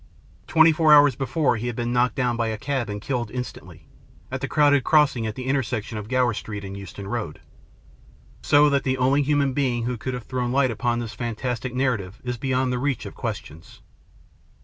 Twenty four hours before, he had been knocked down by a cab and killed instantly, at the crowded crossing at the intersection of Gower Street and Euston Road. So that the only human being who could have thrown light upon this fantastic narrative is beyond the reach of questions.